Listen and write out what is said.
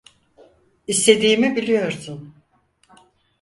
İstediğimi biliyorsun.